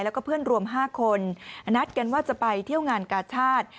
แล้วก็เพื่อนรวม๕คนนัดกันว่าจะไปเที่ยวงานกาชาติ